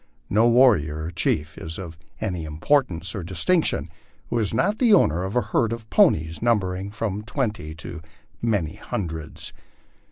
No warrior or chief is of any importance or distinction who is not the owner of a herd of ponies numbering from twenty to many hundreds.